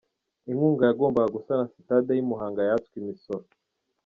Inkunga yagombaga gusana Sitade y’i Muhanga yatswe imisoro